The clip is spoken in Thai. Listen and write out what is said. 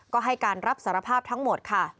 ก็ให้การรับสารภาพทั้งหมดค่ะ